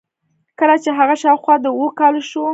کله چې هغه شاوخوا د اوو کالو شو.